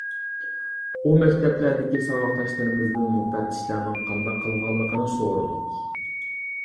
ئۇ مەكتەپلەردىكى ساۋاقداشلىرىمىزدىن مۇپەتتىشلەرنىڭ قانداق قىلغانلىقىنى سورىدۇق.